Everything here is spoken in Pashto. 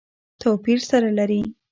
توپیر سره لري.